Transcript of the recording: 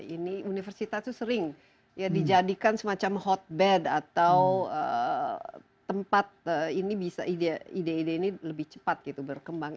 ini universitas itu sering dijadikan semacam hotbed atau tempat ini bisa ide ide ini lebih cepat gitu berkembang